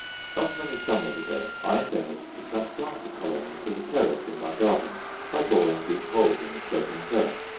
Not many summers ago I endeavoured to transplant a colony to the terrace in my garden, by boring deep holes in the sloping turf.